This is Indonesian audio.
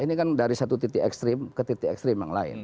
ini kan dari satu titik ekstrim ke titik ekstrim yang lain